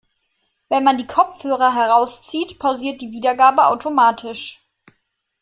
Wenn man die Kopfhörer herauszieht, pausiert die Wiedergabe automatisch.